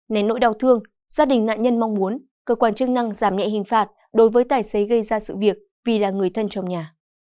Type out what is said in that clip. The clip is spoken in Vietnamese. nén nỗi đau thương gia đình nạn nhân mong muốn cơ quan chức năng giảm nhẹ hình phạt đối với tài xế gây ra sự việc vì là người thân trong nhà